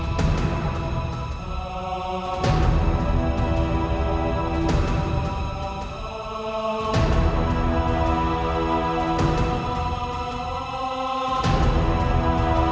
kami akan membukakanmu